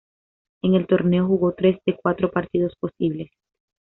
En el torneo jugó tres de cuatro partidos posibles.